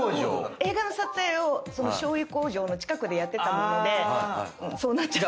映画の撮影をその醤油工場の近くでやってたのでそうなっちゃった。